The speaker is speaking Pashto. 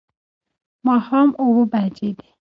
ماښام اووه بجې دي